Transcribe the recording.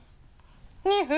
２分。